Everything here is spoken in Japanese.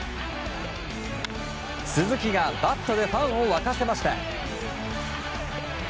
鈴木がバットでファンを沸かせました。